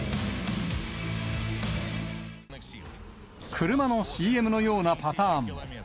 車のＣＭのようなパターンも。